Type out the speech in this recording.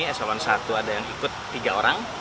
eselon i ada yang ikut tiga orang